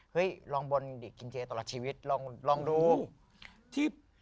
เป็นลงเจคนที่